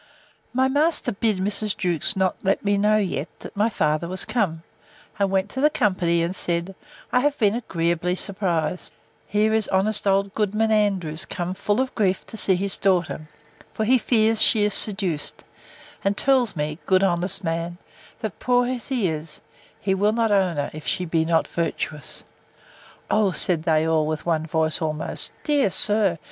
My master bid Mrs. Jewkes not to let me know yet, that my father was come; and went to the company, and said, I have been agreeably surprised: Here is honest old Goodman Andrews come full of grief to see his daughter; for he fears she is seduced; and tells me, good honest man, that, poor as he is, he will not own her, if she be not virtuous. O, said they all, with one voice almost, Dear sir!